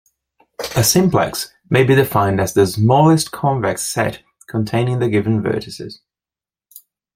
A simplex may be defined as the smallest convex set containing the given vertices.